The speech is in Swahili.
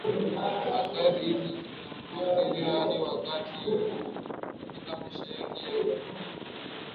athaari hizo zinamuathiri hadi wakati huu katika maisha yake ya utu uzima